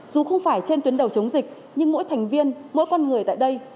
dù không phải trên tuyến đầu chống dịch nhưng mỗi thành viên mỗi con người tại đây